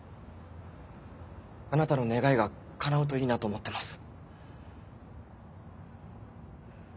あなたの願いがかなうといいなと思ってます。